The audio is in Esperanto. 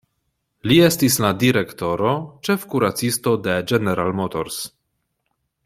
Li estis la direktoro, ĉefkuracisto de General Motors.